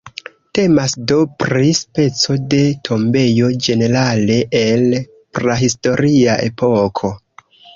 Temas do pri speco de tombejo, ĝenerale el prahistoria epoko.